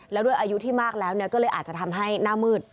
แล้วด้วยอายุที่มากแล้วก็เลยอาจจะทำให้หน้ามืด